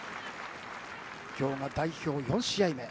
今日が代表４試合目。